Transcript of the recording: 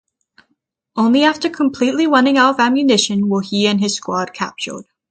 Only after completely running out of ammunition were he and his squad captured.